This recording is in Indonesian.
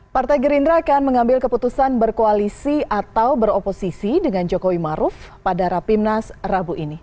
partai gerindra akan mengambil keputusan berkoalisi atau beroposisi dengan jokowi maruf pada rapimnas rabu ini